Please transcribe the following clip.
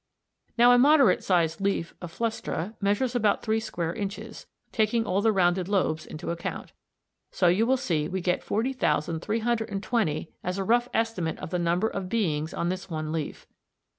Now a moderate sized leaf of flustra measures about three square inches, taking all the rounded lobes into account, so you will see we get 40,320 as a rough estimate of the number of beings on this one leaf.